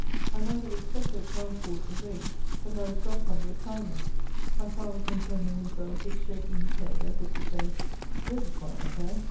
I might have expected transports of fage, but I was welcomed with kindness. My father contented himself with shaking his head, as if to say, *'' Here's a fine affair."